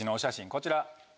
こちら。